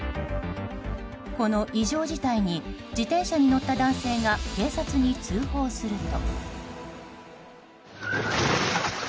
この異常事態に自転車に乗った男性が警察に通報すると。